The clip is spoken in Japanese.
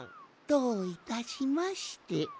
どういたしまして。